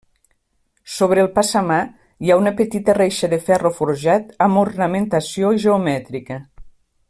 Sobre el passamà hi ha una petita reixa de ferro forjat amb ornamentació geomètrica.